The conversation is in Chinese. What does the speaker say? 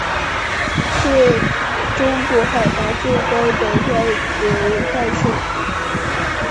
是中国海拔最高的外流淡水湖。